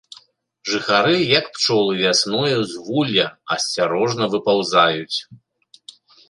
Жыхары, як пчолы вясною з вулля, асцярожна выпаўзаюць.